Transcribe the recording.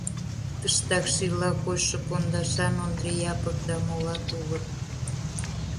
Тыштак шийла койшо пондашан Ондри Япык да молат улыт.